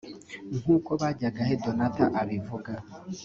nk’uko Bajyagahe Donatha abivuga